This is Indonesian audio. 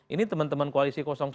ini teman teman koalisi satu